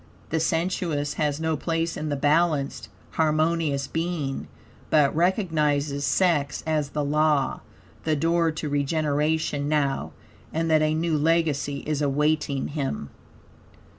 The sensuous has no place in the balanced, harmonious being, but recognizes sex as the law, the door to regeneration now, and that a new legacy is awaiting him.